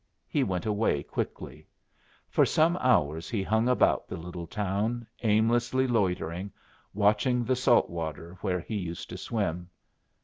He went away quickly. For some hours he hung about the little town, aimlessly loitering, watching the salt water where he used to swim.